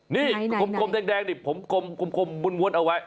นี่คมแดงดิผมคมวนเอาไว้